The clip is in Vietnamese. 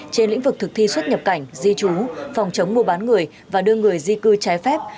trên lĩnh vực thực thi xuất nhập cảnh di trú phòng chống mua bán người và đưa người di cư trái phép